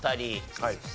はい。